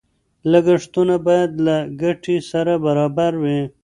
لګښتونه باید له ګټې سره برابر وي.